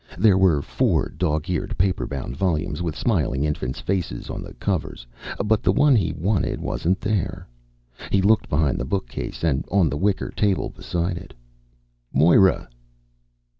There were four dog eared paperbound volumes with smiling infants' faces on the covers, but the one he wanted wasn't there. He looked behind the bookcase and on the wicker table beside it. "Moira!"